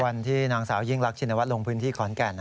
วันที่นางสาวยิ่งรักชินวัฒน์ลงพื้นที่ขอนแก่น